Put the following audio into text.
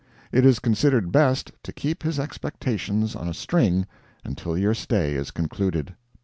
It is considered best to keep his expectations "on a string" until your stay is concluded.